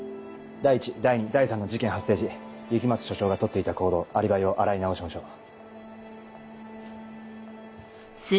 第１第２第３の事件発生時雪松署長が取っていた行動アリバイを洗い直しましょう。